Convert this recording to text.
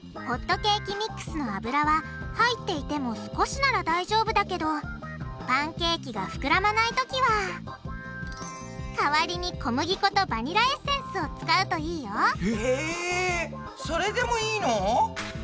ホットケーキミックスの油は入っていても少しなら大丈夫だけどパンケーキがふくらまないときは代わりに小麦粉とバニラエッセンスを使うといいよへぇそれでもいいの？